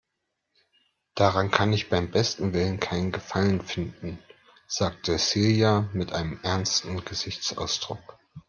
Daran kann ich beim besten Willen keinen Gefallen finden, sagte Silja mit einem ernsten Gesichtsausdruck.